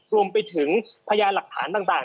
รวมไปถึงพยานหลักฐานต่าง